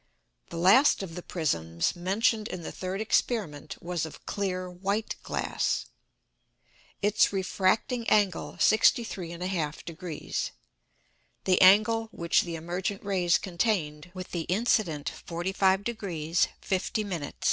The last of the Prisms mentioned in the third Experiment was of clear white Glass. Its refracting Angle 63 1/2 Degrees. The Angle which the emergent Rays contained, with the incident 45 deg. 50 min.